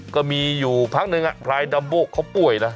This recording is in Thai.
ก็มีอยู่พักหนึ่งพลายดัมโบเขาป่วยนะ